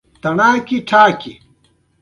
بعضې سپوږمۍ تیز او بعضې ورو دي.